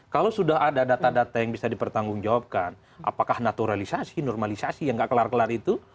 kalau sudah ada data data yang bisa dipertanggungjawabkan apakah naturalisasi normalisasi yang nggak kelar kelar itu